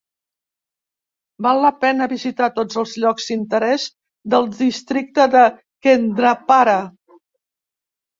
Val la pena visitar tots els llocs d'interès del districte de Kendrapara.